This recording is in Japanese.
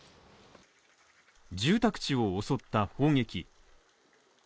住宅地を襲った砲撃。